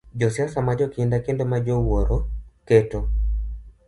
Josiasa ma jokinda kendo ma jowuoro, keto